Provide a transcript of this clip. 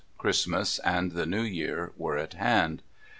Christmas and the New Year were at hand.